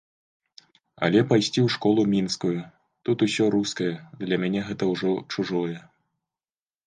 Але пайсці ў школу мінскую -тут усё рускае, для мяне гэта ўжо чужое.